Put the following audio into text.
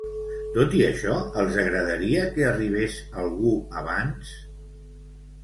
Tot i això, els agradaria que arribés algú abans?